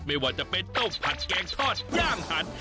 ไม่ว่าจะเป็นต้มผัดแกงทอดย่างหัน